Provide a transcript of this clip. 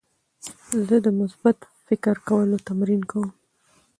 زه د مثبت فکر کولو تمرین کوم.